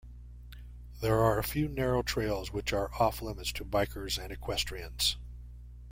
There are few narrow trails which are off limits to bikers and equestrians.